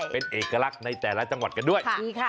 เป็นเอกลักษณ์ในแต่ละจังหวัดกันด้วยดีค่ะ